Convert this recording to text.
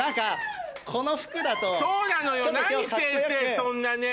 そんなね。